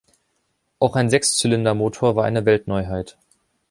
Auch ein Sechszylindermotor war eine Weltneuheit.